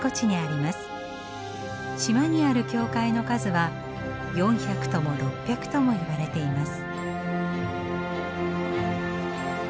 島にある教会の数は４００とも６００ともいわれています。